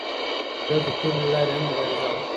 ده د تورې له لارې هم مبارزه وکړه